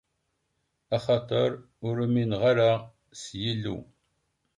Axaṭer ur uminen ara s Yillu.